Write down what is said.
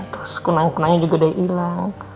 terus kunang kunangnya juga udah hilang